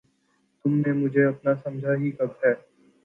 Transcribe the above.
تم نے مجھے اپنا سمجھا ہی کب ہے!